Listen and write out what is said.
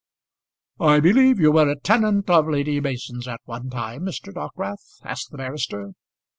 "I believe you were a tenant of Lady Mason's at one time, Mr. Dockwrath?" asked the barrister.